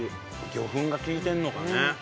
魚粉が利いてるのかね。